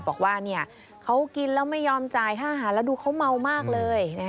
บอกว่าเขากินแล้วไม่ยอมจ่ายค่าอาหารแล้วดูเขาเมามากเลย